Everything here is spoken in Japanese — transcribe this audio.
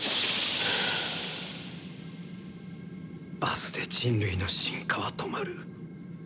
明日で人類の進化は止まる。